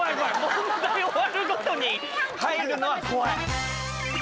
問題終わるごとに入るのは怖い！